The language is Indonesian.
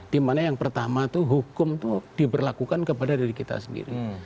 dimana yang pertama itu hukum itu diberlakukan kepada diri kita sendiri